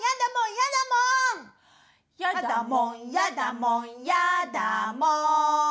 やだもんやだもんやだもん。